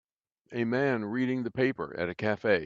A man reading the paper at a cafe.